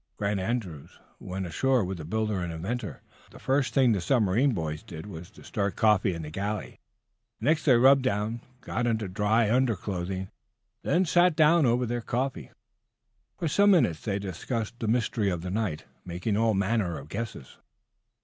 Grant Andrews went ashore with the builder and the inventor. The first thing the submarine boys did was to start coffee in the galley. Next they rubbed down, got into dry underclothing, then sat down over their coffee. For some minutes they discussed the mystery of the night, making all manner of guesses.